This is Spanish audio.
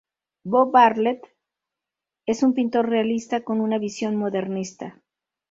Bo Bartlett es un pintor realista con una visión modernista.